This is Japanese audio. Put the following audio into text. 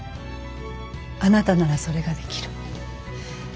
あなたならそれができる。